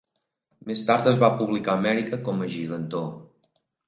Més tard es va publicar a Amèrica com a "Gigantor".